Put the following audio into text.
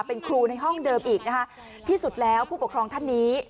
เป็นครูในห้องเดิมอีกนะคะที่สุดแล้วผู้ปกครองท่านนี้